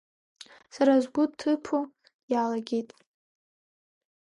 Сара сгәы ҭыԥо иалагеит.